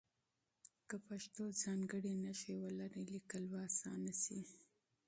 که پښتو ځانګړې نښې ولري لیکل به اسانه شي.